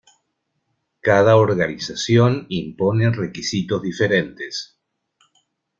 Cada organización impone requisitos diferentes.